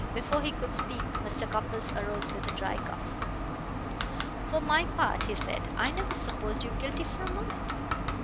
Before he could speak Mr. Cupples arose with a dry cough. "For my part," he said, "I never supposed you guilty for a moment."